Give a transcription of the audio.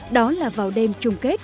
đó là vào đêm trung kết